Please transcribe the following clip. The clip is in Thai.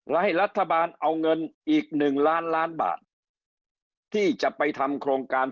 และให้รัฐบาลเอาเงินอีกหนึ่งล้านล้านบาทที่จะไปทำโครงการ